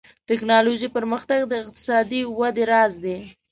ټکنالوژي پرمختګ د اقتصادي ودې راز دی.